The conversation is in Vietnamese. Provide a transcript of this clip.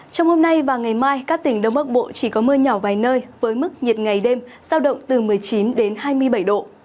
trong hôm nay và ngày mai các tỉnh đông bắc bộ chỉ có mưa nhỏ vài nơi với mức nhiệt ngày đêm giao động từ một mươi chín đến hai mươi bảy độ